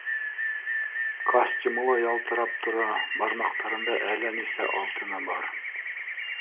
Костюмы ла ялтырап тора, бармаҡтарында әллә нисә алтыны бар.